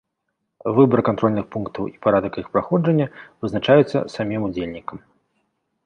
Выбар кантрольных пунктаў і парадак іх праходжання вызначаюцца самім удзельнікам.